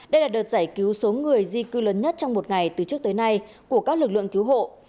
đây là đợt giải cứu số người di cư lớn nhất trong một ngày từ trước tới nay của các lực lượng cứu hộ